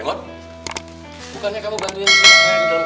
bukannya kamu bantuin si neng dong